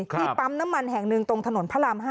ปั๊มน้ำมันแห่งหนึ่งตรงถนนพระราม๕